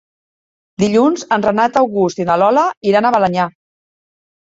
Dilluns en Renat August i na Lola iran a Balenyà.